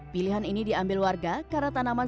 pilihan ini diambil warga karena tanaman